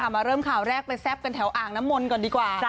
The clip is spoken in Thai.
มาเริ่มข่าวแรกไปแซ่บกันแถวอ่างน้ำมนต์ก่อนดีกว่า